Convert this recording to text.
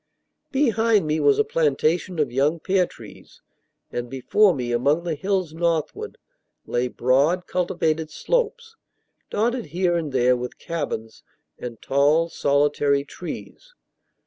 Behind me was a plantation of young pear trees, and before me, among the hills northward, lay broad, cultivated slopes, dotted here and there with cabins and tall, solitary trees.